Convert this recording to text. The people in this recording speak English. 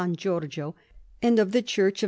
Giorgio, and of the Church of S.